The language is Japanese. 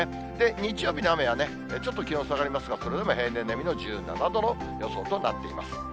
日曜日の雨はちょっと気温下がりますが、それでも平年並みの１７度の予想となっています。